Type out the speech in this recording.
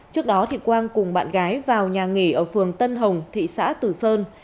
trước đó thì quang cùng bạn gái vào nhà nghỉ ở phường tân hồng thị xã từ sơn